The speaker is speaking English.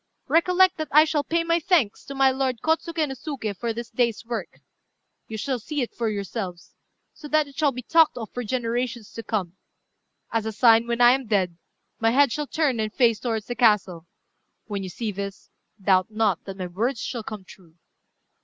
Recollect that I shall pay my thanks to my lord Kôtsuké no Suké for this day's work. You shall see it for yourselves, so that it shall be talked of for generations to come. As a sign, when I am dead, my head shall turn and face towards the castle. When you see this, doubt not that my words shall come true."